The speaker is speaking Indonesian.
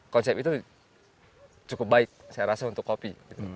konsep itu cukup baik saya rasa untuk kopi